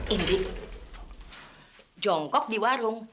ini untuk diri dewi